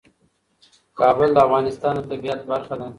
کابل د افغانستان د طبیعت برخه ده.